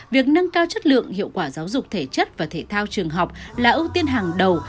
việc nâng cao chất lượng hiệu quả giáo dục thể chất và thể thao trường học là ưu tiên hàng đầu